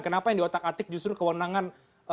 kenapa yang diotak atik justru kewenangan